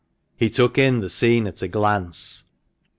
He took in the scene at a glance.